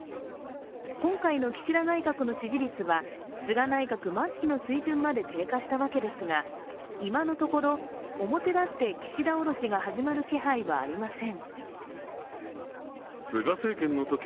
今回の岸田内閣の支持率は菅内閣末期の水準まで低下したわけですが、今のところ表立って岸田おろしが始まる気配はありません。